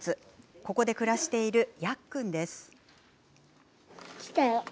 ここで暮らしているやっくんです。